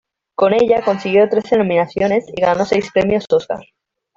Con ella consiguió trece nominaciones y ganó seis premios Óscar.